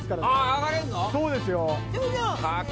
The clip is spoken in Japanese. そうですよ。